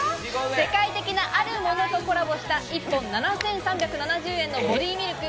世界的なあるものとコラボした一本７３７０円のボディミルク。